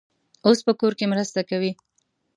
اوس په کور کې مرسته کوي.